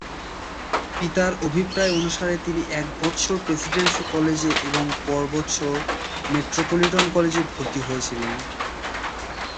পিতার অভিপ্রায় অনুসারে তিনি এক বৎসর প্রেসিডেন্সি কলেজে এবং পর বৎসর মেট্রোপলিটন কলেজে ভর্তি হয়েছিলেন।